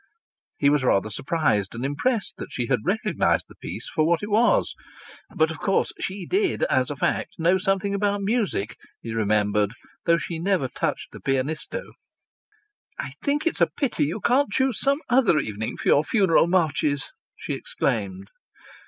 He was rather surprised and impressed that she had recognized the piece for what it was. But of course she did, as a fact, know something about music, he remembered, though she never touched the Pianisto. "I think it's a pity you can't choose some other evening for your funeral marches!" she exclaimed.